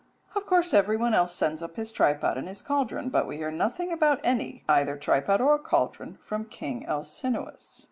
Of course everyone else sends up his tripod and his cauldron, but we hear nothing about any, either tripod or cauldron, from King Alcinous.